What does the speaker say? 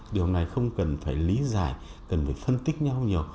điều này không cần phải lý giải cần phải phân tích nhau nhiều